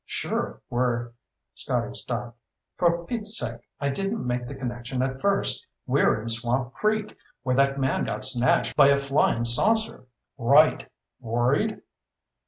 "Sure. We're " Scotty stopped. "For Pete's sake! I didn't make the connection at first. We're in Swamp Creek, where that man got snatched by a flying saucer!" "Right. Worried?"